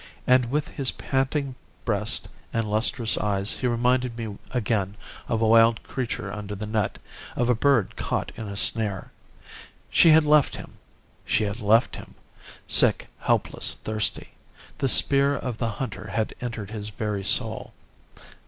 And with his panting breast and lustrous eyes he reminded me again of a wild creature under the net; of a bird caught in a snare. She had left him. She had left him sick helpless thirsty. The spear of the hunter had entered his very soul.